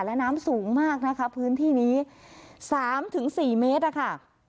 และน้ำสูงมากนะคะพื้นที่นี้สามถึงสี่เมตรค่ะ